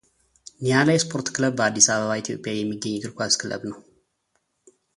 ኒያላ የስፖርት ክለብ በአዲስ አበባ ኢትዮጵያ የሚገኝ የእግር ኳስ ክለብ ነው።